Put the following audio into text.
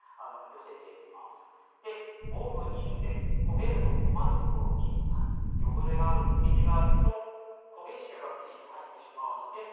でオーブンに入れて焦げると困るところに汚れが生地があると焦げ臭が生地に入ってしまうので。